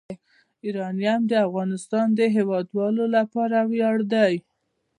یورانیم د افغانستان د هیوادوالو لپاره ویاړ دی.